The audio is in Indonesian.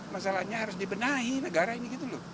masalahnya harus dibenahi negara ini gitu loh